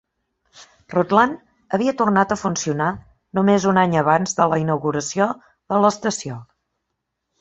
Rutland havia tornat a funcionar només un any abans de la inauguració de l'estació.